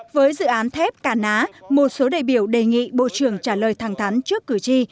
với dự án thép cà ná một số đại biểu đề nghị bộ trưởng trả lời thẳng thắn trước cử tri